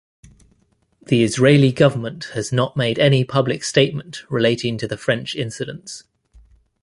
The Israeli government has not made any public statement relating to the French incidents.